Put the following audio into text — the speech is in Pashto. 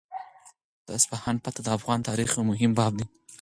د اصفهان فتحه د افغان تاریخ یو مهم باب دی.